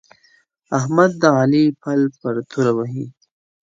احمد د علي پل پر توره وهي.